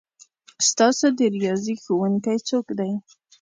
ستاسو د ریاضي ښؤونکی څوک دی؟